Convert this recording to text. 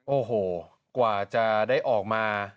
โอ้โหกว่าจะได้ออกมา